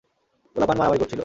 পোলাপান মারামারি করছিল।